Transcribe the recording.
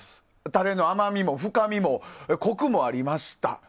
タレの甘みも深みもコクもありました。